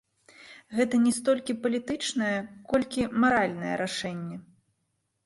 Гэта не столькі палітычнае, колькі маральнае рашэнне.